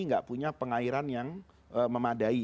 nggak punya pengairan yang memadai